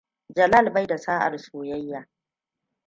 Jalal bai da sa'ar soyayya.